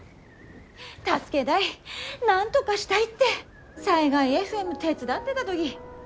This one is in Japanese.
助けだいなんとがしたいって災害ＦＭ手伝ってだ時。